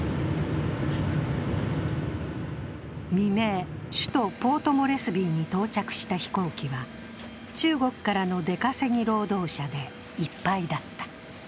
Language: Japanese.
未明、首都ポートモレスビーに到着した飛行機は中国からの出稼ぎ労働者でいっぱいだった。